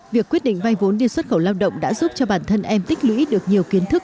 việc quyết định vay vốn đi xuất khẩu lao động đã giúp cho bản thân em tích lũy được nhiều kiến thức